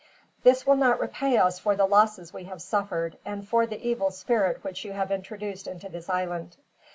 "This will not repay us for the losses we have suffered, and for the evil spirit which you have introduced into this island.